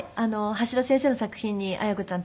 橋田先生の作品に綾子ちゃん